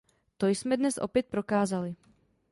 To jsme dnes opět prokázali.